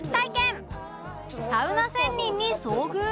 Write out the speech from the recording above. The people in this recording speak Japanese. サウナ仙人に遭遇？